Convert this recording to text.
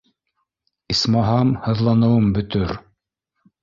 Исмаһам, һыҙланыуым бөтөр.